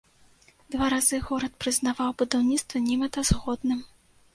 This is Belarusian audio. Два разы горад прызнаваў будаўніцтва немэтазгодным.